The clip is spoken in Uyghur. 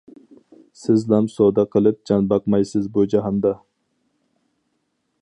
سىزلام سودا قىلىپ جان باقمايسىز بۇ جاھاندا.